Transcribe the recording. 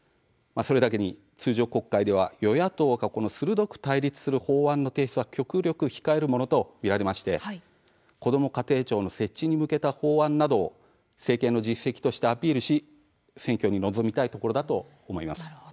それだけに通常国会では与野党が鋭く対立する法案の提出は極力控えるものと見られましてこども家庭庁の設置に向けた法案など政権の実績としてアピールして選挙に臨みたいところです。